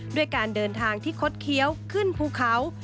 ด้วยการเดินทางที่คดเคี้ยวขึ้นภูเขา